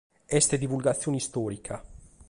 Est divulgatzione istòrica.